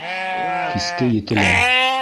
Киске етелә.